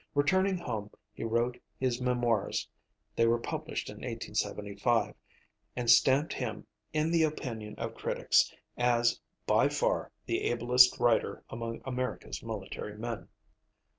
Returning home he wrote his "Memoirs;" they were published in 1875, and stamped him, in the opinion of critics, as "by far the ablest writer among America's military men."